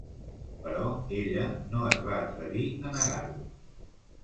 Però ella no es va atrevir a negar-ho.